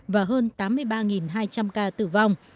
và hơn tám mươi ba hai trăm linh ca tử vong